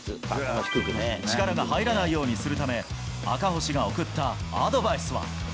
力が入らないようにするため、赤星が送ったアドバイスは。